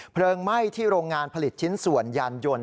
ไหม้ที่โรงงานผลิตชิ้นส่วนยานยนต์